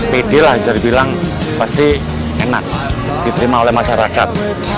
pedi lah jadi bilang pasti enak diterima oleh masyarakat